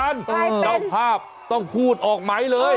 ใครเป็นนอกภาพต้องพูดออกไหมเลย